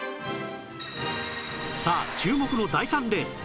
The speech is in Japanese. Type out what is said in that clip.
さあ注目の第３レース